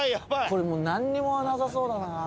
これもうなんにもなさそうだな。